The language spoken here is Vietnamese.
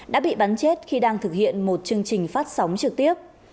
đã bị bắn chết khi đang thực hiện một chương trình phát sóng trực tiếp